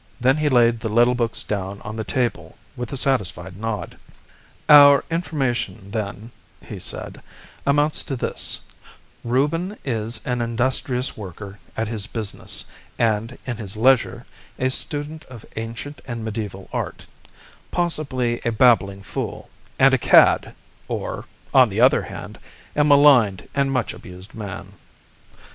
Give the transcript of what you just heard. Then he laid the little books down on the table with a satisfied nod. "Our information, then," he said, "amounts to this: Reuben is an industrious worker at his business and, in his leisure, a student of ancient and medieval art; possibly a babbling fool and a cad or, on the other hand, a maligned and much abused man.